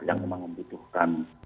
yang memang membutuhkan